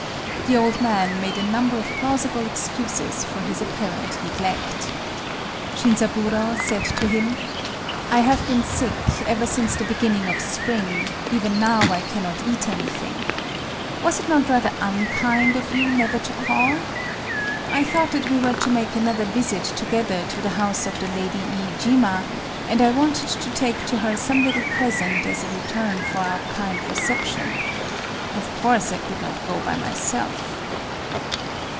The old man made a number of plausible excuses for his apparent neglect. Shinzaburō said to him:—"I have been sick ever since the beginning of spring;—even now I cannot eat anything…. Was it not rather unkind of you never to call? I thought that we were to make another visit together to the house of the Lady Iijima; and I wanted to take to her some little present as a return for our kind reception. Of course I could not go by myself."